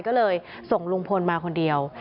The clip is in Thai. ก็เลยส่งลุงพลมาคนเดียว